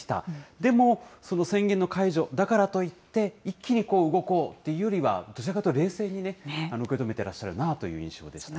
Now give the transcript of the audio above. でも、その宣言の解除、だからといって一気に動こうというよりは、どちらかというと冷静に受け止めてらっしゃるなという印象ですね。